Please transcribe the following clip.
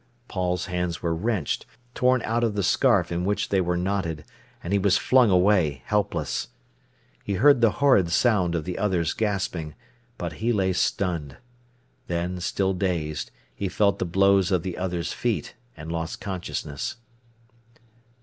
Paul's hands were wrenched, torn out of the scarf in which they were knotted, and he was flung away, helpless. He heard the horrid sound of the other's gasping, but he lay stunned; then, still dazed, he felt the blows of the other's feet, and lost consciousness.